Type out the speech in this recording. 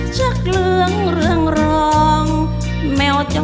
นามเดาเรืองหรือนางแววเดา